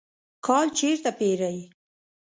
کالی چیرته پیرئ؟